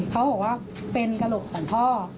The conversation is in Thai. เขาบอกว่าเป็นกระโหลกของพ่อ